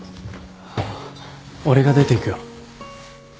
俺が出て行くよ